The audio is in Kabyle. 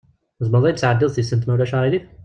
Tzemreḍ ad yid-tesɛeddiḍ tisent, ma ulac aɣilif?